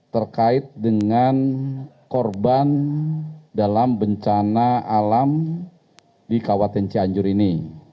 terkait dengan korban dalam bencana alam di kabupaten cianjur ini